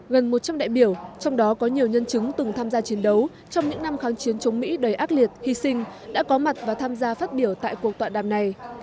gần một trăm linh đại biểu trong đó có nhiều nhân chứng từng tham gia chiến đấu trong những năm kháng chiến chống mỹ đầy ác liệt hy sinh đã có mặt và tham gia phát biểu tại cuộc tọa đàm này